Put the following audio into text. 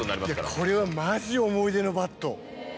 これはマジ思い出のバット。